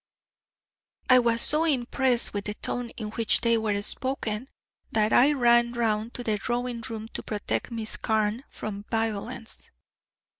"I was so impressed with the tone in which they were spoken that I ran round to the drawing room to protect Miss Carne from violence."